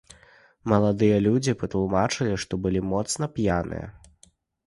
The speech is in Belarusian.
Маладыя людзі патлумачылі, што былі моцна п'яныя.